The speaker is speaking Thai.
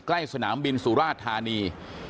ใกล้สนามบินสุราชธานี